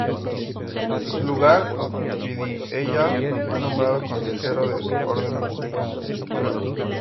En su lugar, Vidiella fue nombrado Consejero de Orden Público, Justicia y Trabajo.